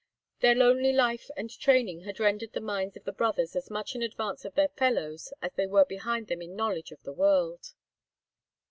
Their lonely life and training had rendered the minds of the brothers as much in advance of their fellows as they were behind them in knowledge of the world.